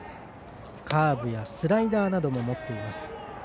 カーブ、スライダーなども持っています。